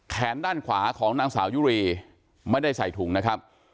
แขนด้านขวาของนางสาวยุรีไม่ได้ใส่ถุงนะครับ